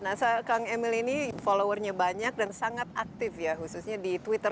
nah kang emil ini followernya banyak dan sangat aktif ya khususnya di twitter